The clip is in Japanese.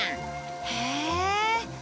へえ！